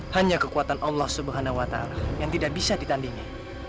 hanya kekuatan allah swt yang tidak bisa ditandingi